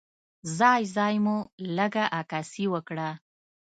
ځای ځای مو لږه عکاسي وکړه.